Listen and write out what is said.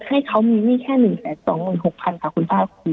ให้เขามีหนี้แค่หนึ่งแสนสองหมื่นหกพันค่ะคุณภาพคุณ